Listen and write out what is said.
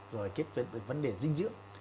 rồi kết với vấn đề dinh dưỡng